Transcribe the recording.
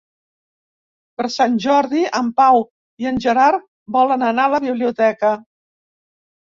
Per Sant Jordi en Pau i en Gerard volen anar a la biblioteca.